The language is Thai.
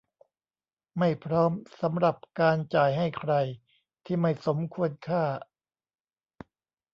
ไม่พร้อมสำหรับการจ่ายให้ใครที่ไม่สมควรค่า